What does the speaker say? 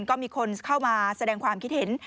ก็มีคนเข้ามาแสดงความคิดเห็น